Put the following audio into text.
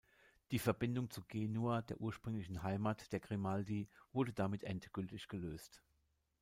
Die Verbindung zu Genua, der ursprünglichen Heimat der Grimaldi, wurde damit endgültig gelöst.